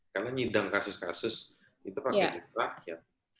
karena nyidang kasus kasus itu pakai duit rakyat